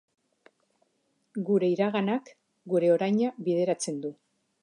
Gure iraganak gure oraina bideratzen du.